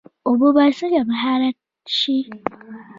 اوبه باید څنګه مهار شي؟